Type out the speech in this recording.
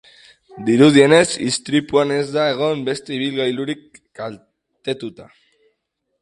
Dirudienez, istripuan ez da egon beste ibilgailurik kaltetuta.